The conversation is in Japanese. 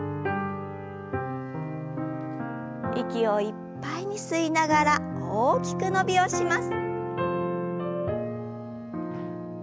息をいっぱいに吸いながら大きく伸びをします。